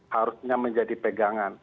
harusnya menjadi pegangan